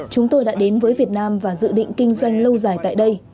chúng tôi đã đến với việt nam và dự định kinh doanh lâu dài tại đây